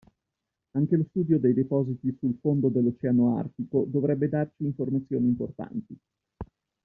Anche lo studio dei depositi sul fondo dell'Oceano Artico dovrebbe darci informazioni importanti.